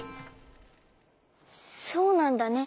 そうなんだね。